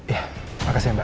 iya makasih ya mbak